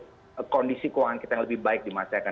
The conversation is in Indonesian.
kondisi keuangan kita yang lebih baik di masa